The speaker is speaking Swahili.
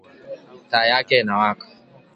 Taa yake inawaka